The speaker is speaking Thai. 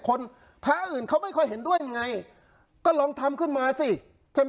พระอื่นเขาไม่ค่อยเห็นด้วยไงก็ลองทำขึ้นมาสิใช่ไหม